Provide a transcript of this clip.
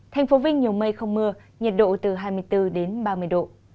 thành phố vinh nhiều mây không mưa nhiệt độ từ hai mươi bốn đến ba mươi độ